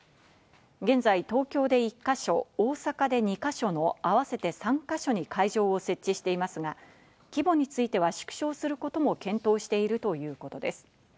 現在、東京で１か所、大阪で２か所の合わせて３か所に会場を設置していますが、規模については縮小することも検討しているということです。